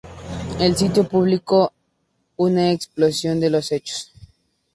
El sitio publicó una explicación de los hechos.